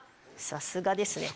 さすがですね！